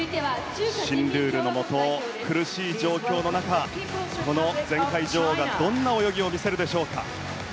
新ルールのもと、苦しい状況の中この前回女王がどんな泳ぎを見せるでしょうか。